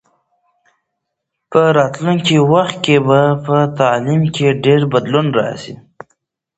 په راتلونکي وخت کې به په تعلیم کې ډېر بدلون راسي.